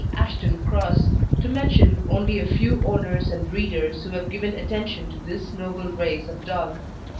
Ashton Cross, to mention only a few owners and breeders who have given attention to this noble race of dog.